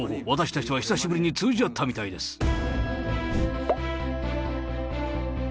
私たちは久しぶりに通じ合ったみたいです。